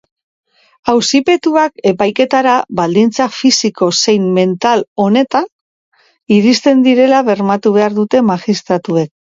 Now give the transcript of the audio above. Auzipetuak epaiketara baldintza fisiko zein mental onetan iristen direla bermatu behar dute magistratuek.